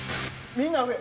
みんな上？